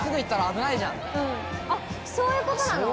そういうことなの？